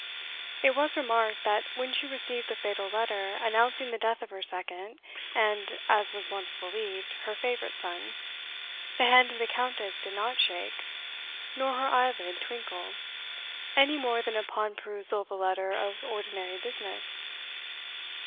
It was remarked, that when she received the fatal letter announcing the death of her second, and, as was once believed, her favourite son, the hand of the Countess did not shake, nor her eyelid twinkle, any more than upon perusal of a letter of ordinary business.